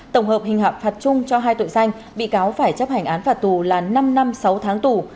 tổng hợp hình hạp phạt chung cho hai tội danh bị cáo phải chấp hành án phạt tù là năm năm sáu tháng tù